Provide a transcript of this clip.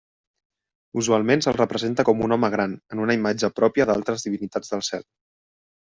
Usualment se'l representa com un home gran, en una imatge pròpia d'altres divinitats del cel.